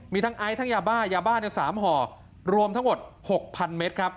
มีทั้งไอ้ทั้งยาบ้ายาบ้าเนี่ยสามห่อรวมทั้งหมดหกพันเมตรครับ